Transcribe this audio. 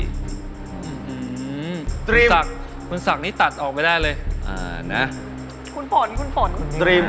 คุณสักคุณสักนี่ตัดออกไปได้เลยอ่านะคุณฝนคุณฝนดรีม